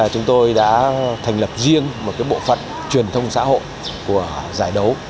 chúng tôi đã thành lập riêng một bộ phận truyền thông xã hội của giải đấu